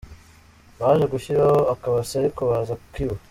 Baje gushyiraho akabase ariko baza kukiba.